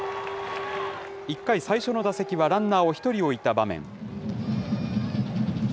１回、最初の打席は、ランナーを１人置いた場面。